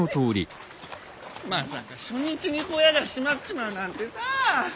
まさか初日に小屋が閉まっちまうなんてさ！